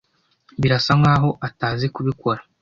Birasa nkaho atazi kubikora.